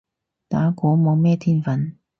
打鼓冇咩天份